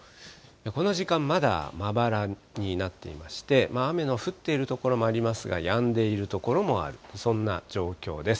この時間、まだまばらになっていまして、雨の降っている所もありますが、やんでいる所もある、そんな状況です。